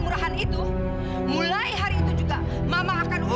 ya udah dok